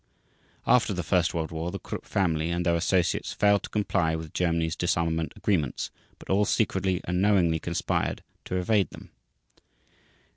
After the first World War, the Krupp family and their associates failed to comply with Germany's disarmament agreements but all secretly and knowingly conspired to evade them.